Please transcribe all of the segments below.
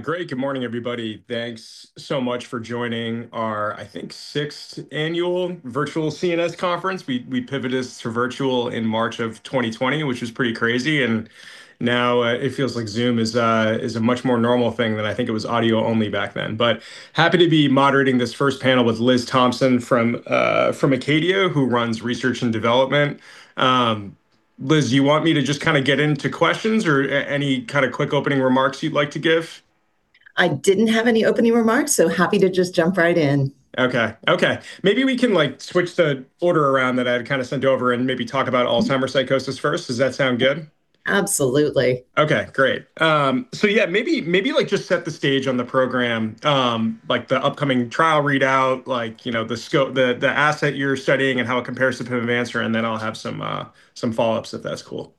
Good morning, everybody. Thanks so much for joining our, I think, sixth annual virtual CNS conference. We pivoted to virtual in March of 2020, which was pretty crazy, and now it feels like Zoom is a much more normal thing than I think it was audio only back then. Happy to be moderating this first panel with Liz Thompson from ACADIA, who runs research and development. Liz, you want me to just kind a get into questions, or any kind of quick opening remarks you'd like to give? I didn't have any opening remarks, so happy to just jump right in. Okay. Maybe we can, like, switch the order around that I've kinda sent over and maybe talk about Alzheimer's psychosis first. Does that sound good? Absolutely. Okay, great. Yeah, maybe like just set the stage on the program, like the upcoming trial readout, like, you know, the scope, the asset you're studying and how it compares to pimavanserin, and then I'll have some follow-ups if that's cool?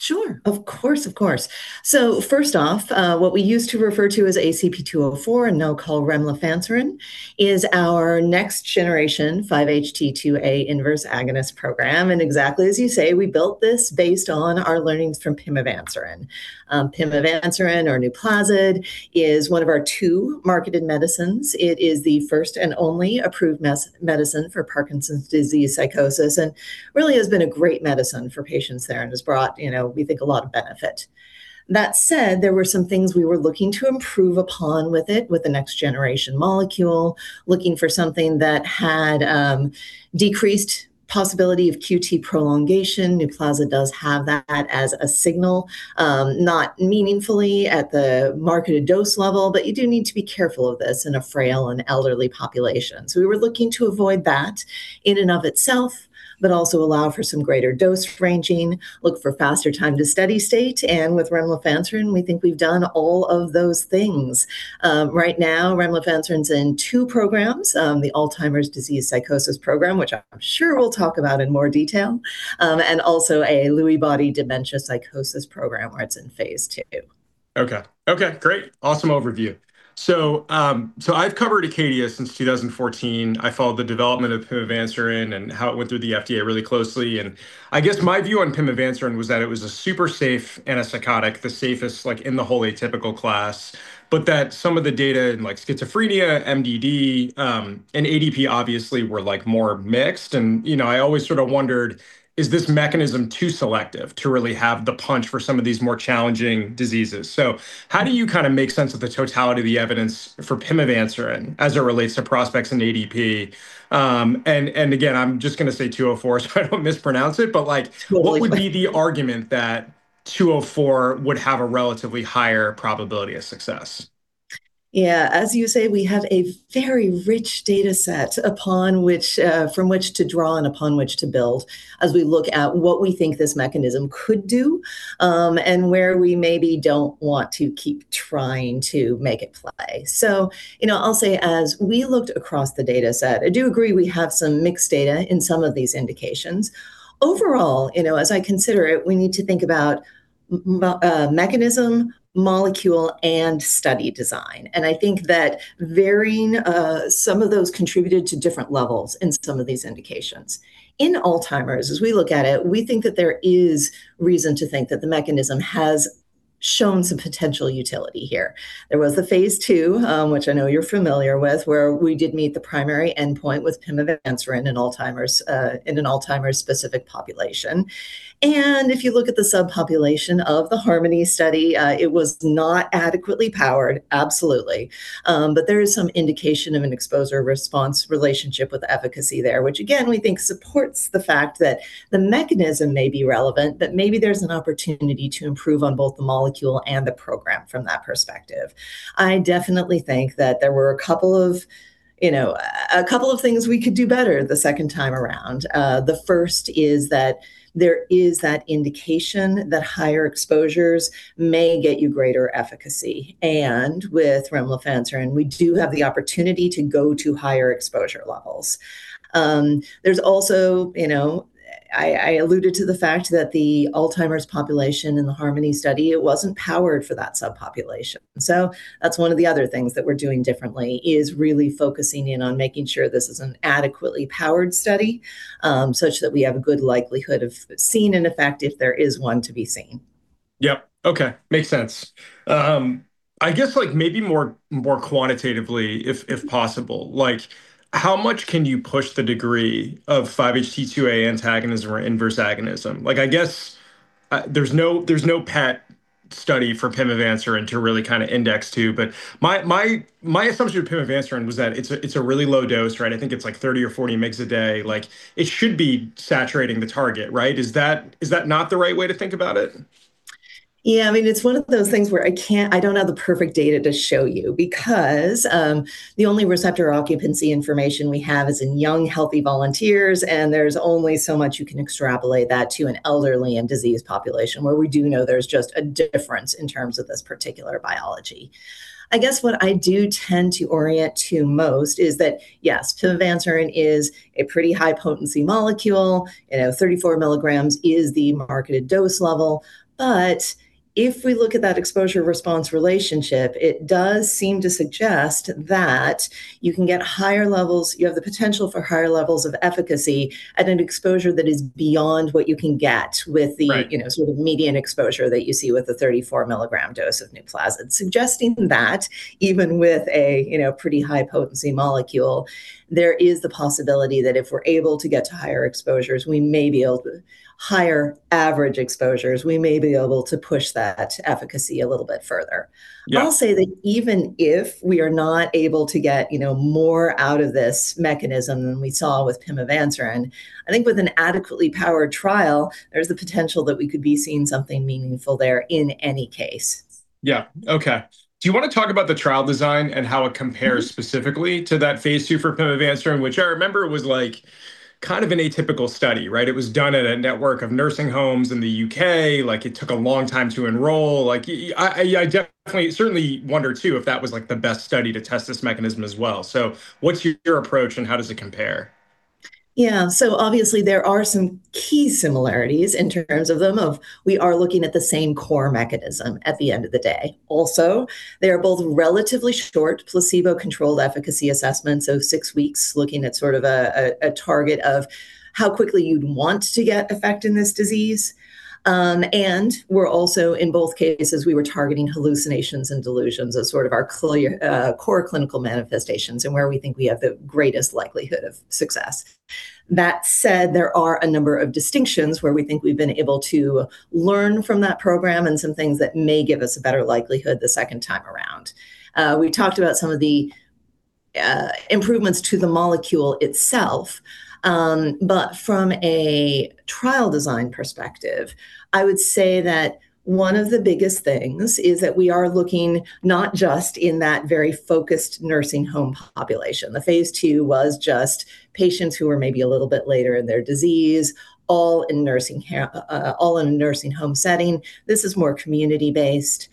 Sure. Of course. First off, what we used to refer to as ACP-204 and now call remlifanserin is our next generation 5-HT2A inverse agonist program. Exactly as you say, we built this based on our learnings from pimavanserin. Pimavanserin or NUPLAZID is one of our two marketed medicines. It is the first and only approved medicine for Parkinson's disease psychosis, and really has been a great medicine for patients there and has brought, you know, we think a lot of benefit. That said, there were some things we were looking to improve upon with it, with the next generation molecule, looking for something that had decreased possibility of QT prolongation. NUPLAZID does have that as a signal, not meaningfully at the marketed dose level, but you do need to be careful of this in a frail and elderly population. We were looking to avoid that in and of itself, but also allow for some greater dose ranging, look for faster time to steady state, and with remlifanserin, we think we've done all of those things. Right now, remlifanserin's in two programs, the Alzheimer's disease psychosis program, which I'm sure we'll talk about in more detail, and also a Lewy body dementia psychosis program where it's in phase two. Okay. Okay, great. Awesome overview. I've covered ACADIA since 2014. I followed the development of pimavanserin and how it went through the FDA really closely. I guess my view on pimavanserin was that it was a super safe antipsychotic, the safest, like, in the whole atypical class, but that some of the data in, like, schizophrenia, MDD, and ADP obviously were, like, more mixed. You know, I always sort of wondered, is this mechanism too selective to really have the punch for some of these more challenging diseases? How do you kind of make sense of the totality of the evidence for pimavanserin as it relates to prospects in ADP? And again, I'm just gonna say 204 so I don't mispronounce it, but. Totally. What would be the argument that 204 would have a relatively higher probability of success? Yeah, as you say, we have a very rich data set upon which, from which to draw and upon which to build as we look at what we think this mechanism could do, and where we maybe don't want to keep trying to make it play. You know, I'll say as we looked across the data set, I do agree we have some mixed data in some of these indications. Overall, you know, as I consider it, we need to think about mechanism, molecule, and study design. I think that varying some of those contributed to different levels in some of these indications. In Alzheimer's, as we look at it, we think that there is reason to think that the mechanism has shown some potential utility here. There was the phase ll, which I know you're familiar with, where we did meet the primary endpoint with pimavanserin in Alzheimer's, in an Alzheimer's specific population. If you look at the subpopulation of the HARMONY study, it was not adequately powered, absolutely. There is some indication of an exposure-response relationship with efficacy there, which again we think supports the fact that the mechanism may be relevant, but maybe there's an opportunity to improve on both the molecule and the program from that perspective. I definitely think that there were a couple of things, you know, we could do better the second time around. The first is that there is that indication that higher exposures may get you greater efficacy. With remlifanserin, we do have the opportunity to go to higher exposure levels. There's also, you know, I alluded to the fact that the Alzheimer's population in the HARMONY study, it wasn't powered for that subpopulation. That's one of the other things that we're doing differently, is really focusing in on making sure this is an adequately powered study, such that we have a good likelihood of seeing an effect if there is one to be seen. Yep. Okay. Makes sense. I guess, like, maybe more quantitatively if possible, like how much can you push the degree of 5-HT2A antagonism or inverse agonism? Like, I guess, there's no PET study for pimavanserin to really kinda index to, but my assumption with pimavanserin was that it's a really low dose, right? I think it's like 30 or 40 mg a day. Like, it should be saturating the target, right? Is that not the right way to think about it? Yeah, I mean, it's one of those things where I don't have the perfect data to show you because the only receptor occupancy information we have is in young healthy volunteers, and there's only so much you can extrapolate that to an elderly and diseased population where we do know there's just a difference in terms of this particular biology. I guess what I do tend to orient to most is that, yes, pimavanserin is a pretty high potency molecule. You know, 34 milligrams is the marketed dose level. But if we look at that exposure-response relationship, it does seem to suggest that you can get higher levels. You have the potential for higher levels of efficacy at an exposure that is beyond what you can get with the- Right You know, sort of median exposure that you see with the 34 milligram dose of NUPLAZID. Suggesting that even with a, you know, pretty high potency molecule, there is the possibility that if we're able to get to higher exposures, higher average exposures, we may be able to push that efficacy a little bit further. Yeah. I'll say that even if we are not able to get, you know, more out of this mechanism than we saw with pimavanserin, I think with an adequately powered trial, there's the potential that we could be seeing something meaningful there in any case. Yeah. Okay. Do you wanna talk about the trial design and how it compares specifically to that phase ll for pimavanserin, which I remember was, like, kind of an atypical study, right? It was done at a network of nursing homes in the U.K. Like, it took a long time to enroll. Like, I certainly wonder too if that was, like, the best study to test this mechanism as well. What's your approach and how does it compare? Yeah. Obviously there are some key similarities in terms of them, we are looking at the same core mechanism at the end of the day. Also, they are both relatively short placebo controlled efficacy assessments, so six weeks looking at sort of a target of how quickly you'd want to get effect in this disease. We're also, in both cases we were targeting hallucinations and delusions as sort of our core clinical manifestations, and where we think we have the greatest likelihood of success. That said, there are a number of distinctions where we think we've been able to learn from that program and some things that may give us a better likelihood the second time around. We talked about some of the improvements to the molecule itself. From a trial design perspective, I would say that one of the biggest things is that we are looking not just in that very focused nursing home population. The phase ll was just patients who are maybe a little bit later in their disease, all in nursing care, all in a nursing home setting. This is more community based.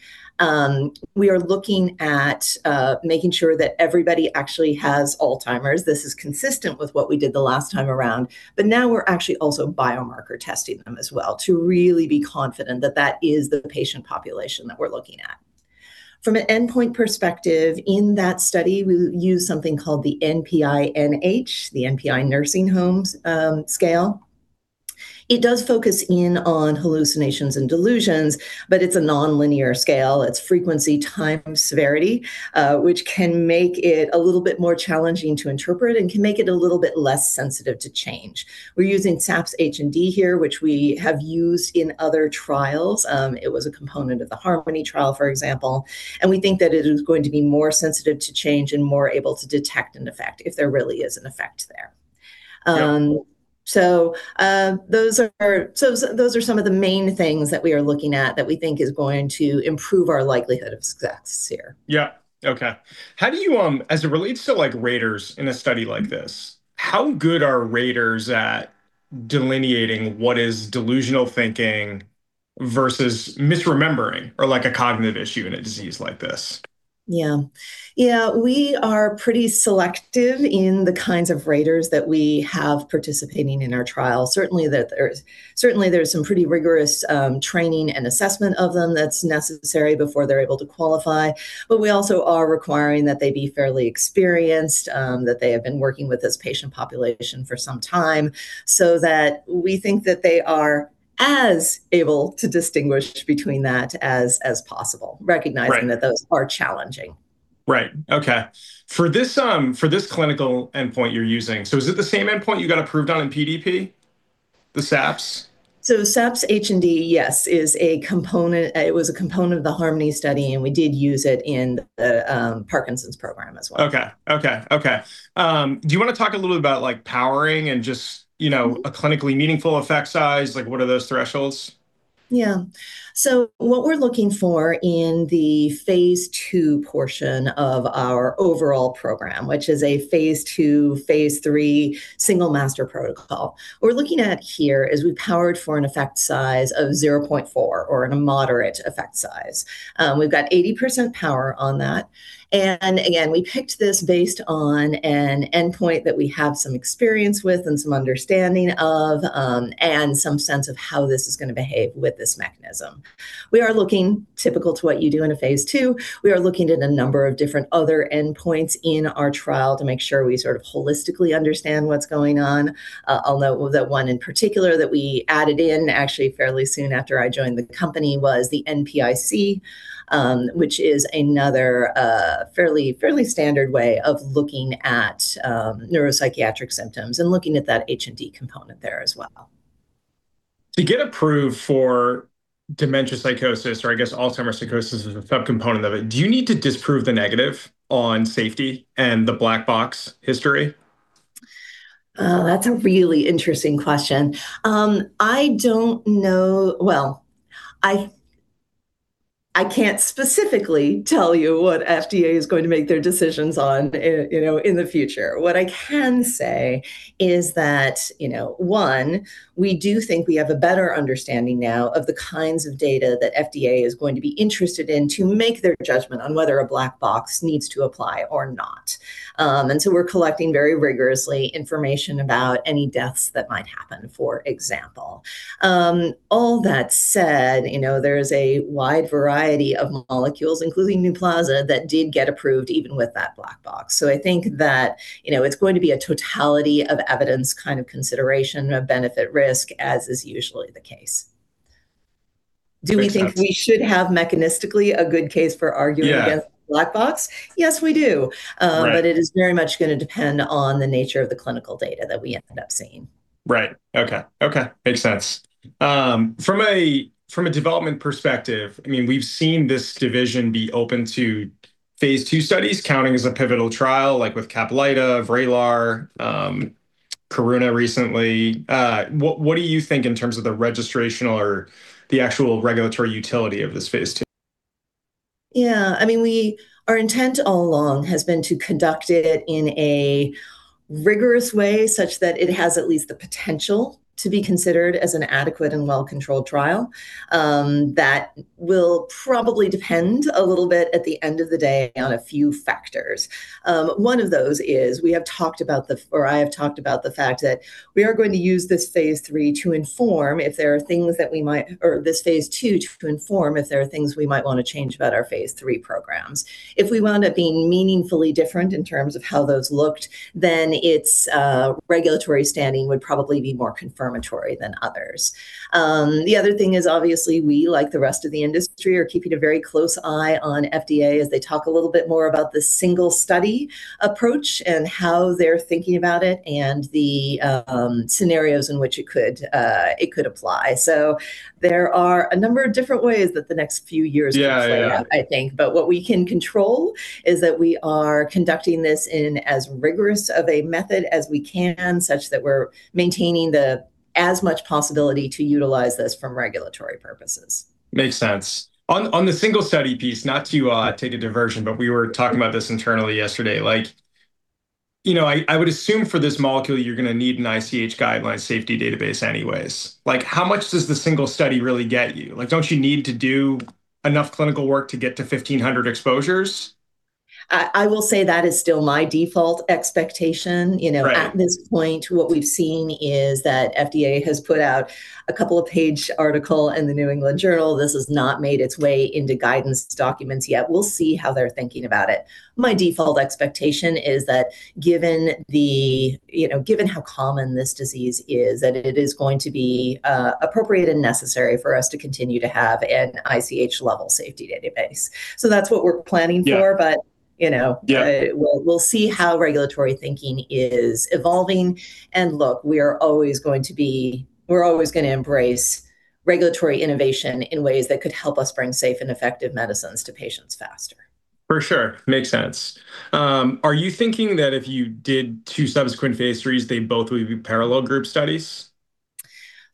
We are looking at making sure that everybody actually has Alzheimer's. This is consistent with what we did the last time around. Now we're actually also biomarker testing them as well to really be confident that that is the patient population that we're looking at. From an endpoint perspective, in that study we used something called the NPI-NH, the NPI Nursing Home Scale. It does focus in on hallucinations and delusions, but it's a nonlinear scale. Its frequency, time, severity, which can make it a little bit more challenging to interpret and can make it a little bit less sensitive to change. We're using SAPS-H+D here, which we have used in other trials. It was a component of the HARMONY trial, for example. We think that it is going to be more sensitive to change and more able to detect an effect if there really is an effect there. Yeah Those are some of the main things that we are looking at that we think is going to improve our likelihood of success here. Yeah. Okay. How do you, as it relates to, like, raters in a study like this, how good are raters at delineating what is delusional thinking versus misremembering or, like, a cognitive issue in a disease like this? Yeah. Yeah, we are pretty selective in the kinds of raters that we have participating in our trial. Certainly there's some pretty rigorous training and assessment of them that's necessary before they're able to qualify. But we also are requiring that they be fairly experienced, that they have been working with this patient population for some time so that we think that they are as able to distinguish between that as possible. Right Recognizing that those are challenging. Right. Okay. For this clinical endpoint you're using, so is it the same endpoint you got approved on in PDP, the SAPS? SAPS H+D, yes, is a component. It was a component of the HARMONY study, and we did use it in the Parkinson's program as well. Okay. Do you wanna talk a little bit about, like, powering and just, you know, a clinically meaningful effect size? Like, what are those thresholds? Yeah. What we're looking for in the phase ll portion of our overall program, which is a phase ll/phase lll single master protocol, what we're looking at here is we powered for an effect size of 0.4 or a moderate effect size. We've got 80% power on that. Again, we picked this based on an endpoint that we have some experience with and some understanding of, and some sense of how this is gonna behave with this mechanism. We are looking, typical to what you do in a phase ll, at a number of different other endpoints in our trial to make sure we sort of holistically understand what's going on. Although the one in particular that we added in, actually fairly soon after I joined the company, was the NPI-C, which is another, fairly standard way of looking at, neuropsychiatric symptoms and looking at that H+D component there as well. To get approved for dementia psychosis, or I guess Alzheimer's psychosis is a subcomponent of it, do you need to disprove the negative on safety and the black box history? That's a really interesting question. I don't know. Well, I can't specifically tell you what FDA is going to make their decisions on, you know, in the future. What I can say is that, you know, one, we do think we have a better understanding now of the kinds of data that FDA is going to be interested in to make their judgment on whether a black box needs to apply or not. We're collecting very rigorously information about any deaths that might happen, for example. All that said, you know, there's a wide variety of molecules, including NUPLAZID, that did get approved even with that black box. I think that, you know, it's going to be a totality of evidence kind of consideration of benefit risk, as is usually the case. Makes sense. Do we think we should have mechanistically a good case for arguing? Yeah Against the black box? Yes, we do. Right. It is very much gonna depend on the nature of the clinical data that we end up seeing. Right. Okay. Makes sense. From a development perspective, I mean, we've seen this division be open to phase ll studies counting as a pivotal trial, like with CAPLYTA, VRAYLAR, Karuna recently. What do you think in terms of the registrational or the actual regulatory utility of this phase two? Yeah. I mean, our intent all along has been to conduct it in a rigorous way such that it has at least the potential to be considered as an adequate and well-controlled trial. That will probably depend a little bit at the end of the day on a few factors. One of those is I have talked about the fact that we are going to use this phase ll to inform if there are things we might wanna change about our phase lll programs. If we wound up being meaningfully different in terms of how those looked, then its regulatory standing would probably be more confirmatory than others. The other thing is, obviously, we, like the rest of the industry, are keeping a very close eye on FDA as they talk a little bit more about the single study approach and how they're thinking about it and the scenarios in which it could apply. There are a number of different ways that the next few years could play out. Yeah. Yeah I think. What we can control is that we are conducting this in as rigorous of a method as we can, such that we're maintaining as much possibility to utilize this for regulatory purposes. Makes sense. On the single study piece, not to take a diversion, but we were talking about this internally yesterday. Like, you know, I would assume for this molecule, you're gonna need an ICH guideline safety database anyways. Like, how much does the single study really get you? Like, don't you need to do enough clinical work to get to 1,500 exposures? I will say that is still my default expectation. You know. Right At this point, what we've seen is that FDA has put out a couple-page article in the New England Journal. This has not made its way into guidance documents yet. We'll see how they're thinking about it. My default expectation is that given the, you know, given how common this disease is, that it is going to be appropriate and necessary for us to continue to have an ICH level safety database. That's what we're planning for. Yeah. You know. Yeah We'll see how regulatory thinking is evolving. Look, we're always gonna embrace regulatory innovation in ways that could help us bring safe and effective medicines to patients faster. For sure. Makes sense. Are you thinking that if you did two subsequent phase lll, they both would be parallel group studies?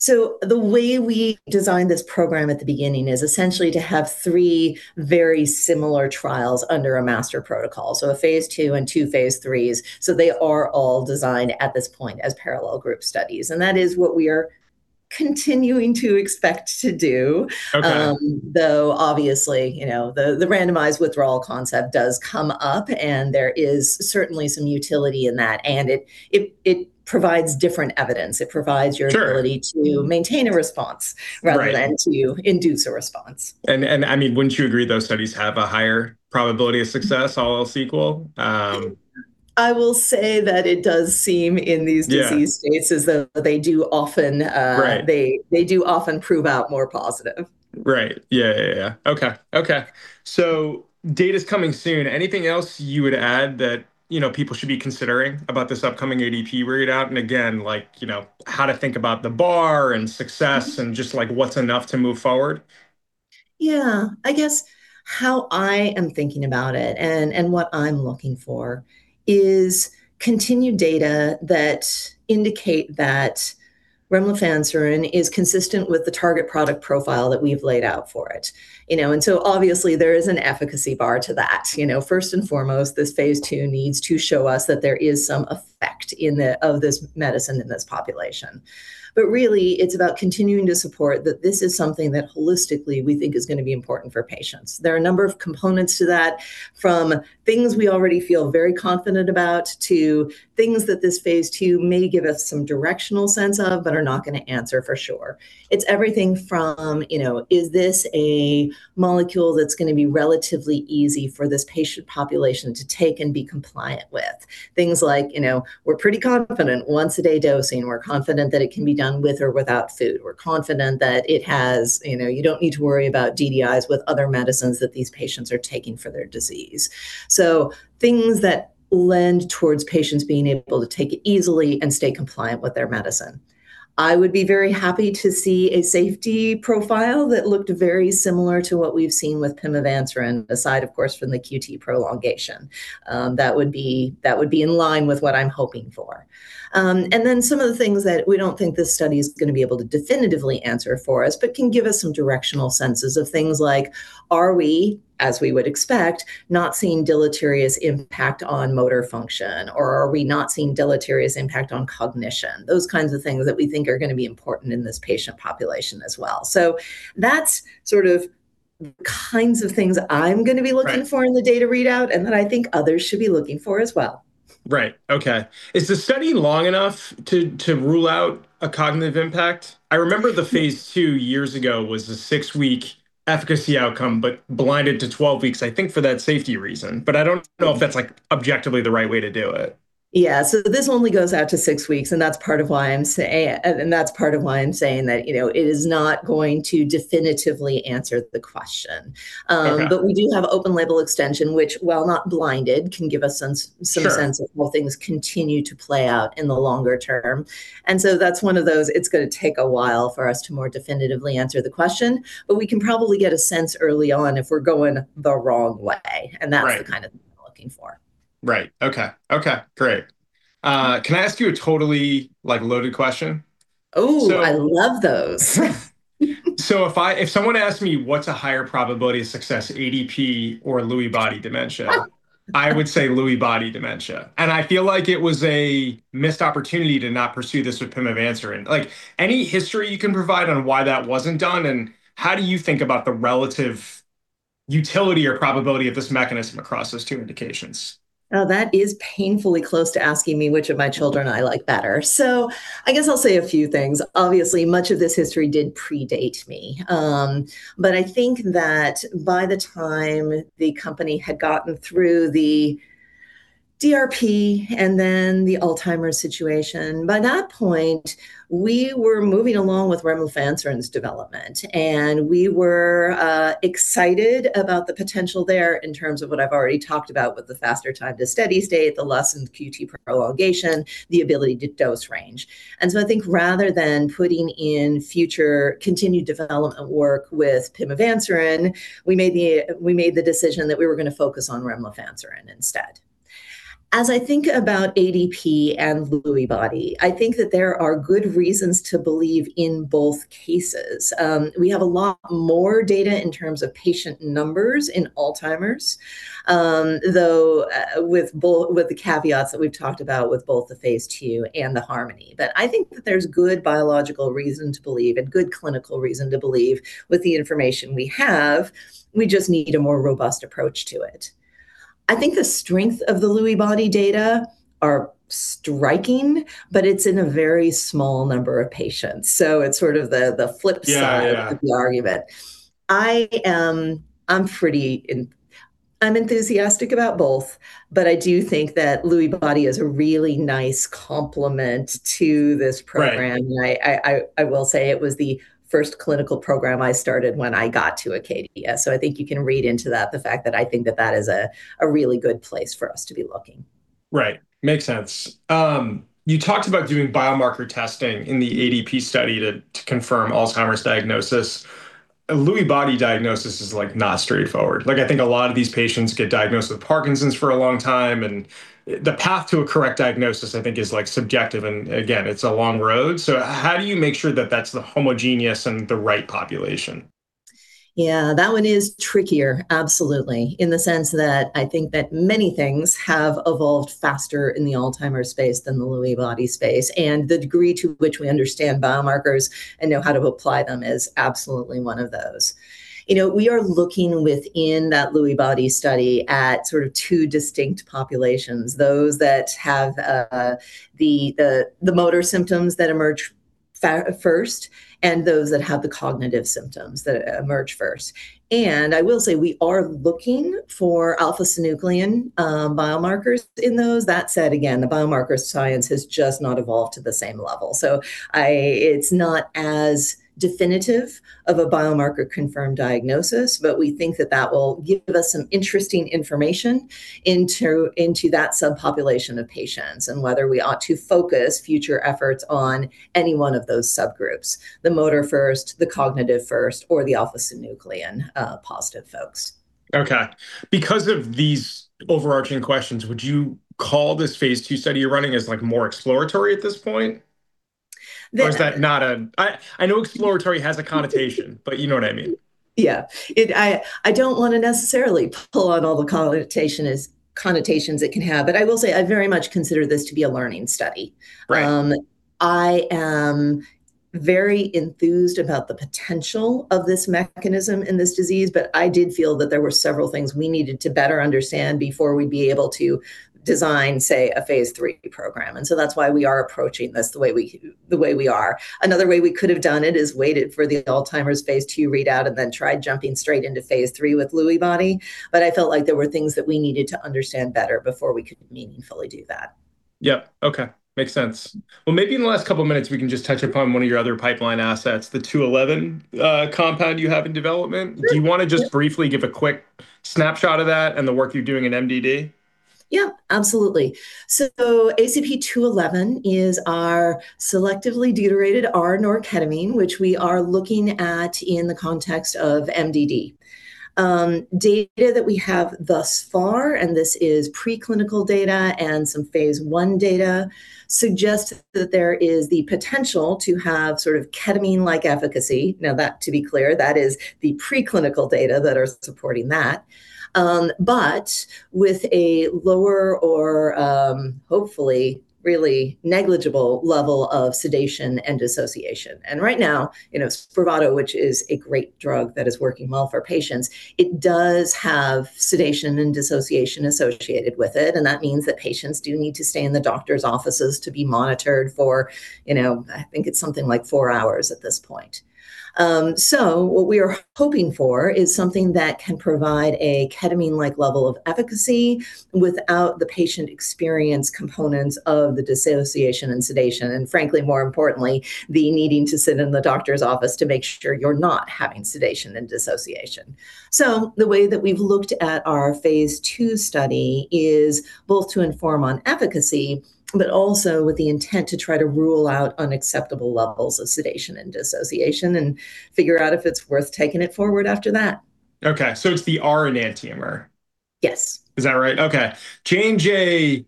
The way we designed this program at the beginning is essentially to have three very similar trials under a master protocol, so a phase ll and two phase lll. They are all designed at this point as parallel group studies, and that is what we are continuing to expect to do. Okay. Though obviously, you know, the randomized withdrawal concept does come up, and there is certainly some utility in that, and it provides different evidence. It provides your- Sure ability to maintain a response. Right Rather than to induce a response. I mean, wouldn't you agree those studies have a higher probability of success, all else equal? I will say that it does seem in these disease. Yeah spaces that they do often. Right They do often prove out more positive. Right. Yeah. Okay. Data's coming soon. Anything else you would add that, you know, people should be considering about this upcoming ADP readout? Again, like, you know, how to think about the bar and success and just, like, what's enough to move forward? Yeah. I guess how I am thinking about it and what I'm looking for is continued data that indicate that remlifanserin is consistent with the target product profile that we've laid out for it. You know, obviously there is an efficacy bar to that. You know, first and foremost, this phase ll needs to show us that there is some effect of this medicine in this population. Really it's about continuing to support that this is something that holistically we think is gonna be important for patients. There are a number of components to that, from things we already feel very confident about to things that this phase ll may give us some directional sense of, but are not gonna answer for sure. It's everything from, you know, is this a molecule that's gonna be relatively easy for this patient population to take and be compliant with? Things like, you know, we're pretty confident once a day dosing. We're confident that it can be done with or without food. We're confident that it has you know, you don't need to worry about DDI with other medicines that these patients are taking for their disease. So things that lend towards patients being able to take it easily and stay compliant with their medicine. I would be very happy to see a safety profile that looked very similar to what we've seen with pimavanserin, aside, of course, from the QT prolongation. That would be in line with what I'm hoping for. some of the things that we don't think this study's gonna be able to definitively answer for us, but can give us some directional senses of things like are we, as we would expect, not seeing deleterious impact on motor function, or are we not seeing deleterious impact on cognition? Those kinds of things that we think are gonna be important in this patient population as well. That's sort of kinds of things I'm gonna be looking for. Right In the data readout and that I think others should be looking for as well. Right. Okay. Is the study long enough to rule out a cognitive impact? I remember phase ll two years ago was a six-week efficacy outcome, but blinded to 12 weeks, I think, for that safety reason, but I don't know if that's, like, objectively the right way to do it. Yeah. This only goes out to six weeks, and that's part of why I'm saying that, you know, it is not going to definitively answer the question. Okay We do have open label extension, which, while not blinded, can give a sense. Sure Some sense of whether things continue to play out in the longer term. That's one of those, it's gonna take a while for us to more definitively answer the question, but we can probably get a sense early on if we're going the wrong way. That's Right Looking for. Right. Okay. Okay, great. Can I ask you a totally, like, loaded question? Ooh- So- I love those. If someone asks me, what's a higher probability of success, ADP or Lewy body dementia? I would say Lewy body dementia, and I feel like it was a missed opportunity to not pursue this with pimavanserin. Like, any history you can provide on why that wasn't done, and how do you think about the relative utility or probability of this mechanism across those two indications? Now, that is painfully close to asking me which of my children I like better. I guess I'll say a few things. Obviously, much of this history did predate me. I think that by the time the company had gotten through the DRP and then the Alzheimer's situation, by that point we were moving along with remlifanserin's development, and we were excited about the potential there in terms of what I've already talked about, with the faster time to steady state, the lessened QT prolongation, the ability to dose range. I think rather than putting in future continued development work with pimavanserin, we made the decision that we were gonna focus on remlifanserin instead. As I think about ADP and Lewy body, I think that there are good reasons to believe in both cases. We have a lot more data in terms of patient numbers in Alzheimer's, though, with the caveats that we've talked about with both the phase ll and the HARMONY. I think that there's good biological reason to believe and good clinical reason to believe with the information we have, we just need a more robust approach to it. I think the strength of the Lewy body data are striking, but it's in a very small number of patients, so it's sort of the flip side. Yeah, yeah To the argument. I'm enthusiastic about both, but I do think that Lewy body is a really nice complement to this program. Right. I will say it was the first clinical program I started when I got to Acadia, so I think you can read into that the fact that I think that is a really good place for us to be looking. Right. Makes sense. You talked about doing biomarker testing in the ADP study to confirm Alzheimer's diagnosis. A Lewy body diagnosis is, like, not straightforward. Like, I think a lot of these patients get diagnosed with Parkinson's for a long time, and the path to a correct diagnosis I think is, like, subjective and, again, it's a long road. How do you make sure that that's the homogeneous and the right population? Yeah. That one is trickier, absolutely, in the sense that I think that many things have evolved faster in the Alzheimer's space than the Lewy body space, and the degree to which we understand biomarkers and know how to apply them is absolutely one of those. You know, we are looking within that Lewy body study at sort of two distinct populations, those that have the motor symptoms that emerge first, and those that have the cognitive symptoms that emerge first. I will say we are looking for alpha-synuclein biomarkers in those. That said, again, the biomarker science has just not evolved to the same level. It's not as definitive of a biomarker-confirmed diagnosis, but we think that will give us some interesting information into that subpopulation of patients and whether we ought to focus future efforts on any one of those subgroups, the motor first, the cognitive first, or the alpha-synuclein positive folks. Okay. Because of these overarching questions, would you call this phase ll study you're running as, like, more exploratory at this point? There- I know exploratory has a connotation, but you know what I mean. Yeah. I don't wanna necessarily pull out all the connotations it can have, but I will say I very much consider this to be a learning study. Right. I am very enthused about the potential of this mechanism in this disease, but I did feel that there were several things we needed to better understand before we'd be able to design, say, a phase lll program, and so that's why we are approaching this the way we are. Another way we could have done it is waited for the Alzheimer's phase ll readout and then tried jumping straight into phase lll with Lewy body, but I felt like there were things that we needed to understand better before we could meaningfully do that. Yeah. Okay. Makes sense. Well, maybe in the last couple minutes we can just touch upon one of your other pipeline assets, the 211 compound you have in development. Sure, yeah. Do you wanna just briefly give a quick snapshot of that and the work you're doing in MDD? Yeah, absolutely. ACP-211 is our selectively deuterated R-ketamine, which we are looking at in the context of MDD. Data that we have thus far, and this is preclinical data and some phase l data, suggests that there is the potential to have sort of ketamine-like efficacy. Now, to be clear, that is the preclinical data that are supporting that. But with a lower or, hopefully really negligible level of sedation and dissociation. Right now, you know, SPRAVATO, which is a great drug that is working well for patients, it does have sedation and dissociation associated with it, and that means that patients do need to stay in the doctor's offices to be monitored for, you know, I think it's something like four hours at this point. What we are hoping for is something that can provide a ketamine-like level of efficacy without the patient experience components of the dissociation and sedation, and frankly more importantly, the needing to sit in the doctor's office to make sure you're not having sedation and dissociation. The way that we've looked at our phase ll study is both to inform on efficacy, but also with the intent to try to rule out unacceptable levels of sedation and dissociation and figure out if it's worth taking it forward after that. Okay. It's the R enantiomer? Yes. Is that right? Okay. J&J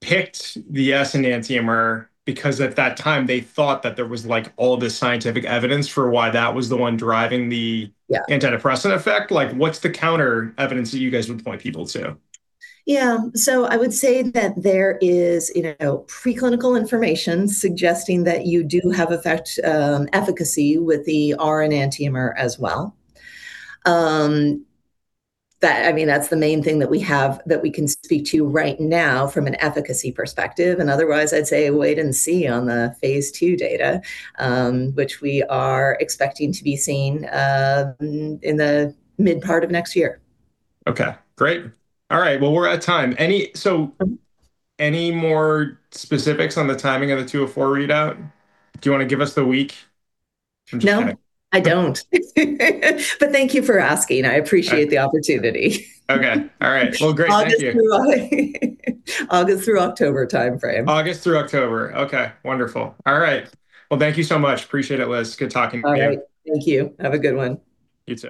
picked the S enantiomer because at that time they thought that there was, like, all this scientific evidence for why that was the one driving the- Yeah antidepressant effect. Like, what's the counter-evidence that you guys would point people to? Yeah. I would say that there is, you know, preclinical information suggesting that you do have efficacy with the R enantiomer as well. That, I mean, that's the main thing that we have that we can speak to right now from an efficacy perspective, and otherwise I'd say wait and see on the phase ll data, which we are expecting to be seeing in the mid-part of next year. Okay. Great. All right, well, we're at time. Any more specifics on the timing of the 204 readout? Do you wanna give us the week from today? No, I don't. But thank you for asking. I appreciate. Okay the opportunity. Okay. All right. Well, great. Thank you. August through October timeframe. August through October. Okay. Wonderful. All right. Well, thank you so much. Appreciate it, Liz. Good talking with you. All right. Thank you. Have a good one. You too.